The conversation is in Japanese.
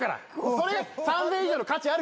それ３，０００円以上の価値あるから。